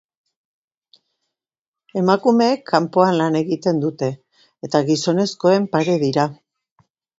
Emakumeek kanpoan lan egiten dute eta gizonezkoen pare dira.